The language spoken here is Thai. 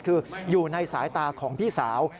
คืออยู่ในสายตาของพี่สาว